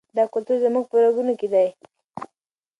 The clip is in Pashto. دا کلتور زموږ په رګونو کې دی.